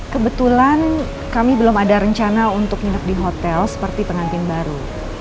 kebetulan kami belum ada rencana untuk nginep di hotel seperti pengantin baru